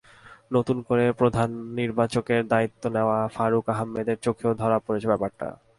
নতুন করে প্রধান নির্বাচকের দায়িত্ব নেওয়া ফারুক আহমেদের চোখেও ধরা পড়েছে ব্যাপারটা।